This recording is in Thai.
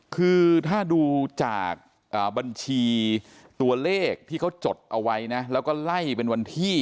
คือถ้าดูจากบัญชีตัวเลขที่เขาจดเอาไว้นะแล้วก็ไล่เป็นวันที่